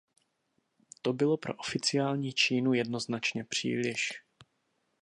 To bylo pro oficiální Čínu jednoznačně příliš.